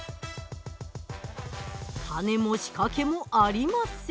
種も仕掛けもありません。